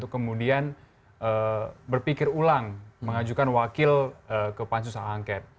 kemudian berpikir ulang mengajukan wakil ke pansus angket